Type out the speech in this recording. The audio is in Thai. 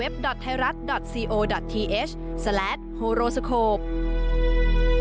โปรดติดตามตอนต่อไป